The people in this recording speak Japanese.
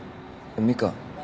ミカン。